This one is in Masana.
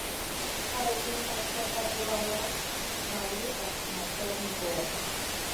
Hay li ma cata pukawa naʼ ma li vaksination mi goora.